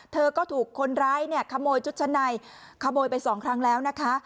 เธอก็ถูกคนร้ายเนี่ยขโมยชุดชั้นในขโมยไปสองครั้งแล้วนะคะ